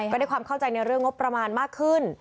ได้ความเข้าใจในเรื่องงบประมาณมากขึ้น